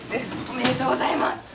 おめでとうございます。